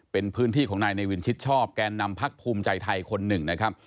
เป็นพื้นที่ของนายเนวินชิดชอบแกนนำพักภูมิใจไทยคนหนึ่งนะครับ